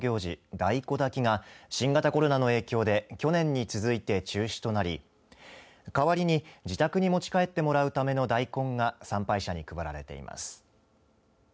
大根だきが新型コロナの影響で去年に続いて中止となりかわりに自宅に持ち帰ってもらうための大根が参拝者に配られています。